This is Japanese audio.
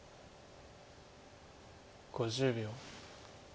５０秒。